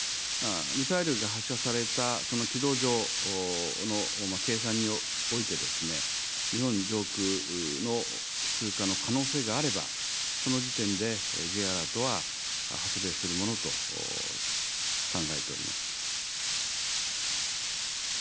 ミサイルが発射されたその軌道上の計算において、日本上空の通過の可能性があれば、その時点でＪアラートは発令するものと考えております。